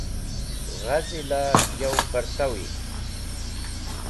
Gha zila u partawi.